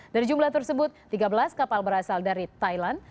dari jumlah tersebut tiga belas kapal berasal dari thailand